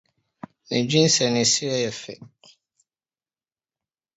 Medwene sɛ ne serew yɛ fɛw